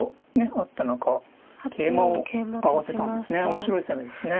面白い攻めですね。